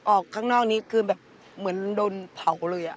ออกข้างนอกนี้คือแบบเหมือนโดนเผาเลย